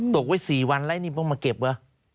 ตกไว้๔วันแล้วอันนี้มันมาเก็บเหรอ